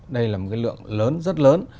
đây là một cái lượng lớn rất lớn